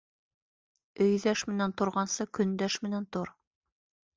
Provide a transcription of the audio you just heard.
Өйҙәш менән торғансы, көндәш менән тор.